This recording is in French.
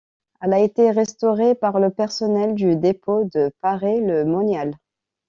Elle a été restaurée par le personnel du dépôt de Paray-le-Monial.